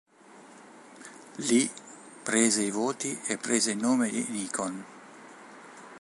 Lì prese i voti e prese il nome di Nikon.